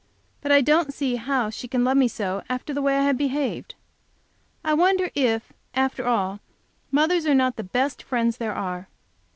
But I don't see how she can love me so, after the way I have behaved. I wonder if, after all, mothers are not the best friends there are!